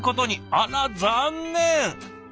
あら残念。